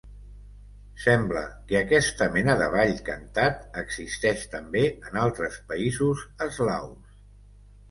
Sembla que aquesta mena de ball cantat existeix també en altres països eslaus.